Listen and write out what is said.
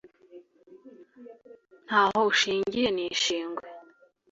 ntaho ushingiye ni ishingwe